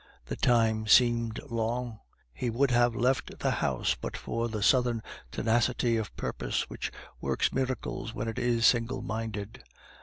The time seemed long; he would have left the house but for the southern tenacity of purpose which works miracles when it is single minded.